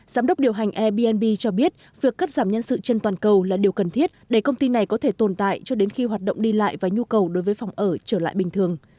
giám đốc điều hành airbnb cho biết việc cắt giảm nhân sự trên toàn cầu là điều cần thiết để công ty này có thể tồn tại cho đến khi hoạt động đi lại và nhu cầu đối với phòng ở trở lại bình thường